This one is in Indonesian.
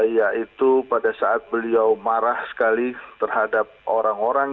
yaitu pada saat beliau marah sekali terhadap orang orang